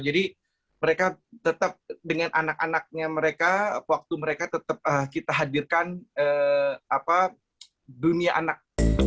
jadi mereka tetap dengan anak anaknya mereka waktu mereka tetap kita hadirkan dunia anak